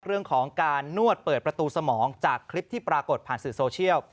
เรื่องของการนวดเปิดประตูสมองจากคลิปที่ปรากฏผ่านสื่อโซเชียล